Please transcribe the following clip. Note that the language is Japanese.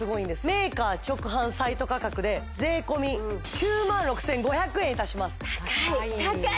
メーカー直販サイト価格で税込９６５００円いたします高い高い！